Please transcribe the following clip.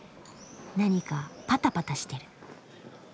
何かパタパタしてる。